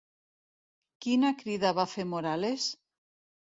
Quina crida va fer Morales?